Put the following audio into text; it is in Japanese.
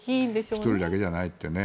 １人だけじゃないってね。